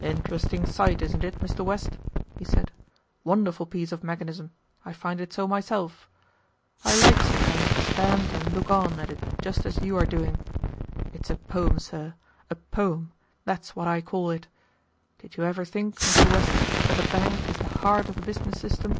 "Interesting sight, isn't it, Mr. West," he said. "Wonderful piece of mechanism; I find it so myself. I like sometimes to stand and look on at it just as you are doing. It's a poem, sir, a poem, that's what I call it. Did you ever think, Mr. West, that the bank is the heart of the business system?